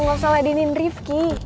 gausah ladinin rifki